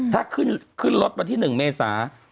ถ้าขึ้นรถวันที่๑เมษา